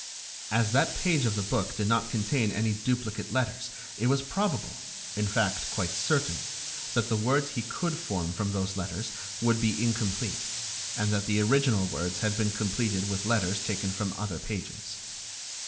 As that page of the book did not contain any duplicate letters it was probable, in fact quite certain, that the words he could form from those letters would be incomplete, and that the original words had been completed with letters taken from other pages.